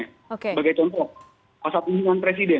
sebagai contoh pasal pimpinan presiden